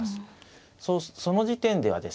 その時点ではですね